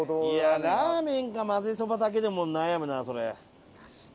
いやラーメンかまぜそばだけでも悩むなそれ。